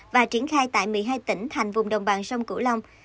và triển khai tại một mươi hai tỉnh thành vùng đồng bằng sông cửu long